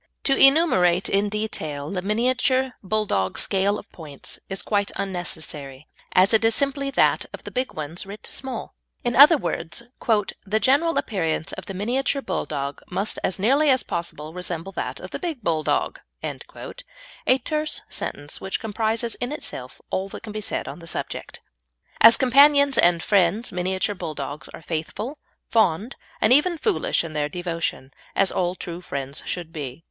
To enumerate in detail the Miniature Bulldog scale of points is quite unnecessary, as it is simply that of the big ones writ small. In other words, "the general appearance of the Miniature Bulldog must as nearly as possible resemble that of the Big Bulldog" a terse sentence which comprises in itself all that can be said on the subject. As companions and friends Miniature Bulldogs are faithful, fond, and even foolish in their devotion, as all true friends should be.